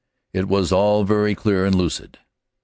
It was all very clear and lucid.